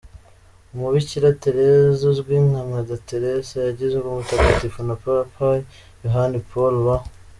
Umubikira Tereza uzwi nka Mother Teresa yagizwe umutagatifu na Papa Yohani Paul wa .